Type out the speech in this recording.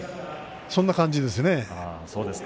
そんな感じですね。